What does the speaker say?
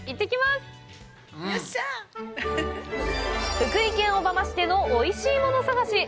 福井県小浜市でのおいしいもの探し。